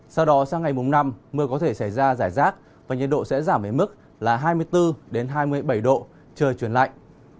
sau đó sang ngày mùng năm mưa có thể xảy ra giải rác và nhiệt độ sẽ giảm đến mức là hai mươi bốn hai mươi bảy độ trời chuyển lạnh